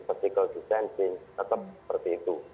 physical distancing tetap seperti itu